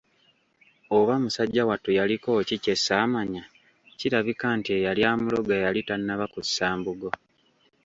Oba musajja wattu yaliko ki kyessamanya, kirabika nti eyali amuloga yali tannaba kussa mbugo,